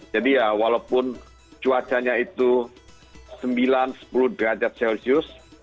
jadi ya walaupun cuacanya itu sembilan sepuluh derajat celcius